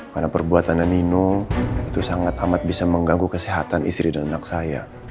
karena perbuatan nino itu sangat amat bisa mengganggu kesehatan istri dan anak saya